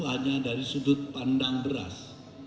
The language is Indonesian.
hanya dari sudut pandang beras